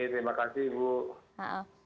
terima kasih bu